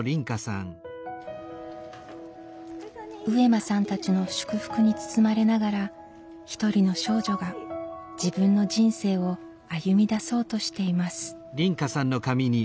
上間さんたちの祝福に包まれながらひとりの少女が自分の人生を歩みだそうとしています。